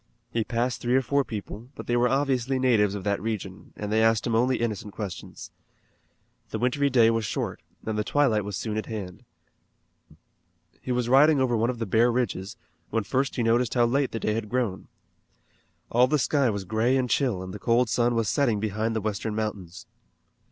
He passed three or four people, but they were obviously natives of that region, and they asked him only innocent questions. The wintry day was short, and the twilight was soon at hand. He was riding over one of the bare ridges, when first he noticed how late the day had grown. All the sky was gray and chill and the cold sun was setting behind the western mountains.